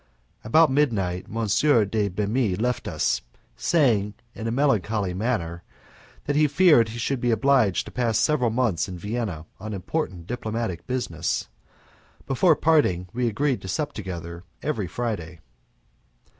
About midnight M. de Bemis left us, saying in a melancholy manner that he feared he should be obliged to pass several months in Vienna on important diplomatic business. Before parting we agreed to sup together every Friday.